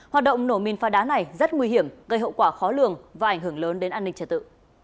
hoạt động nổ mìn pha đá này rất nguy hiểm gây hậu quả khó lường và ảnh hưởng lớn đến an ninh trật tự